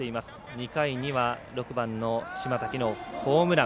２回には６番の島瀧のホームラン。